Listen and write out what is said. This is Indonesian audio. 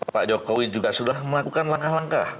pak jokowi juga sudah melakukan langkah langkah